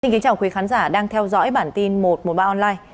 xin kính chào quý khán giả đang theo dõi bản tin một trăm một mươi ba online